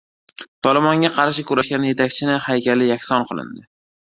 «Tolibon»ga qarshi kurashgan yetakchining haykali yakson qilindi